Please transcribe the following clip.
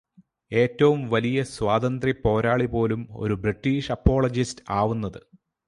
ഏറ്റവും വലിയ സ്വാതന്ത്യ പോരാളി പോലും ഒരു ബ്രിട്ടീഷ് അപോളജിസ്റ്റ് ആവുന്നത്.